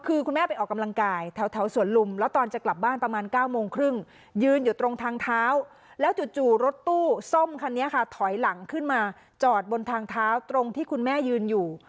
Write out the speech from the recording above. คือคุณแม่ไปออกกำลังกายแถวสวนลุมแล้วตอนจะกลับบ้านประมาณ๙โมงครึ่งยืนอยู่ตรงทางเท้าแล้วจู่รถตู้ส้มคันนี้ค่ะถอยหลังขึ้นมาจอดบนทางเท้าตรงที่คุณแม่ยืนอยู่